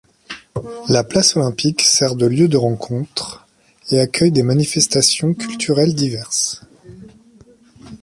La place Olympique sert de lieu de rencontre et accueille des manifestations culturelles diverses.